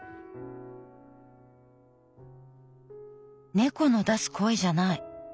「猫の出す声じゃない。